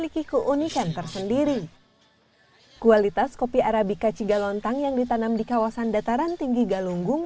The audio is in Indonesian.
kualitas kopi arabica cigalontang yang ditanam di kawasan dataran tinggi galunggung